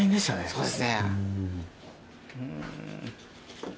そうですね。